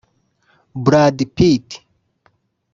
Brad Pitt